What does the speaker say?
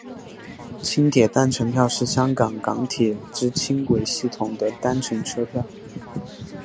轻铁单程票是香港港铁之轻铁系统的单程车票。